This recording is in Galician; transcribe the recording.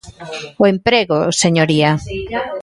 O emprego, señoría.